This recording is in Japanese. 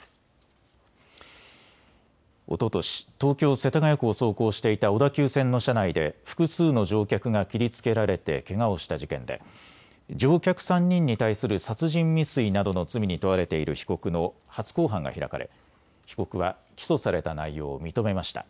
おととし東京世田谷区を走行していた小田急線の車内で複数の乗客が切りつけられてけがをした事件で乗客３人に対する殺人未遂などの罪に問われている被告の初公判が開かれ被告は起訴された内容を認めました。